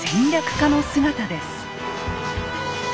家の姿です。